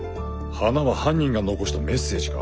花は犯人が残したメッセージか？